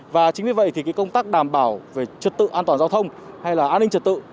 và chính vì vậy thì công tác đảm bảo về trật tự an toàn giao thông hay là an ninh trật tự